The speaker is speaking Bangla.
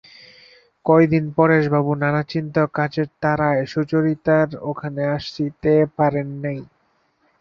কয়দিন পরেশবাবু নানা চিন্তা ও কাজের তাড়ায় সুচরিতার ওখানে আসিতে পারেন নাই।